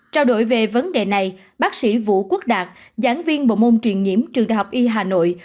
trao đổi về vấn đề này bác sĩ vũ quốc đạt giảng viên bộ môn truyền nhiễm trường đại học y hà nội